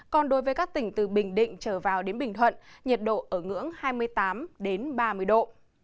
còn đối với các tỉnh từ bình định trở vào đến bình thuận nhiệt độ ở ngưỡng hai mươi tám ba mươi độ